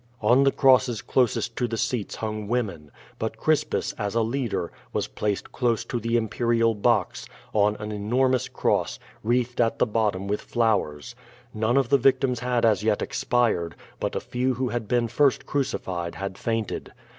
On the crosses closest to the seats hung women, but Crispus, as a leader, was placed close to the imperial box, on an enormoiis cross, wreathed at the bottom with ..flowers. None of the 0170 VADI8. 439 victims had as yet expired, but a few who had been first crucified had fainted.